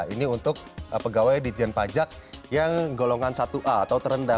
ini untuk pegawai dijen pajak yang golongan satu a atau terendah